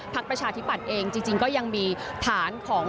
ประชาธิปัตย์เองจริงก็ยังมีฐานของ